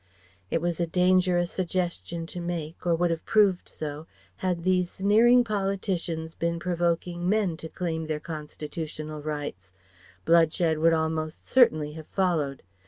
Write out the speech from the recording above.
It was a dangerous suggestion to make, or would have proved so, had these sneering politicians been provoking men to claim their constitutional rights: bloodshed would almost certainly have followed.